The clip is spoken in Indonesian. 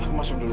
aku masuk dulu